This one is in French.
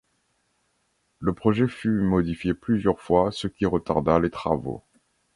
Le projet fut modifié plusieurs fois ce qui retarda les travaux.